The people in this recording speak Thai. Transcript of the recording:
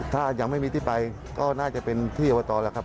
ถ้ายังไม่มีที่ไปก็น่าจะเป็นที่อบตแหละครับ